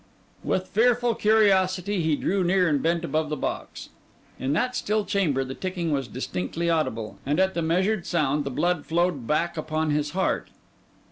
With fearful curiosity, he drew near and bent above the box; in that still chamber, the ticking was distinctly audible; and at the measured sound, the blood flowed back upon his heart.